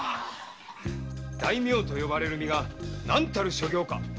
大名と呼ばれる身が何たる所業。